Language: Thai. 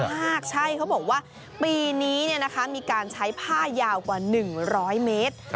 มากใช่เขาบอกว่าปีนี้มีการใช้ผ้ายาวกว่า๑๐๐เมตร